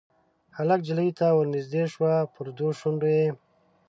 هلک نجلۍ ته ورنیژدې شو پر دوو شونډو یې